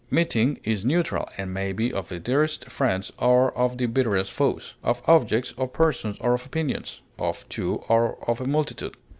Meeting is neutral, and may be of the dearest friends or of the bitterest foes; of objects, of persons, or of opinions; of two or of a multitude.